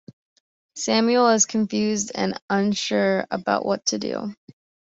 Samuel is confused and unsure about what to do.